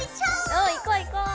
おう行こう行こう！